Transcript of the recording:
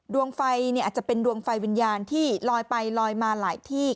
ดวงไฟอาจจะเป็นดวงไฟวิญญาณที่ลอยไปลอยมาหลายที่